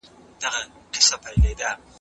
د ناروغۍ نښې په وخت نه لیدل کېږي.